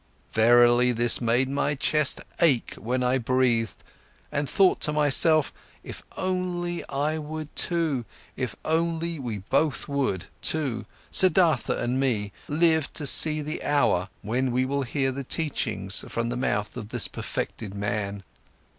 Verily, this made my chest ache when I breathed, and thought to myself: If only I would too, if only we both would too, Siddhartha and me, live to see the hour when we will hear the teachings from the mouth of this perfected man!